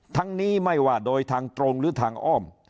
ทั้งนี้ไม่ว่าโดยทางตรงหรือทางอ้อม